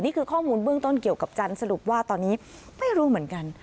นี่คือข้อมูลเบื้องต้นเกี่ยวกับจันทร์สรุปว่าตอนนี้ไม่รู้เหมือนกัน